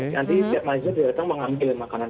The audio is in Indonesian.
nanti siap siap malam dia datang mengambil makanan